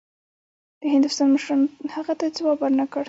د هندوستان مشرانو هغه ته ځواب ورنه کړ.